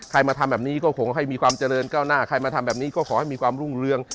มาทำแบบนี้ก็ขอให้มีความเจริญก้าวหน้าใครมาทำแบบนี้ก็ขอให้มีความรุ่งเรือง